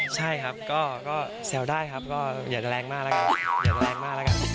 ใช่ครับก็แซวได้ครับก็อย่าจะแรงมากแล้วกัน